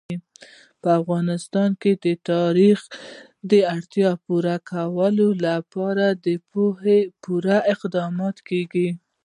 په افغانستان کې د تاریخ د اړتیاوو پوره کولو لپاره پوره اقدامات کېږي.